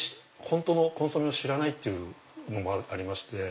本当のコンソメを知らないっていうのもありまして。